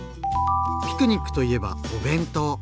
ピクニックといえばお弁当！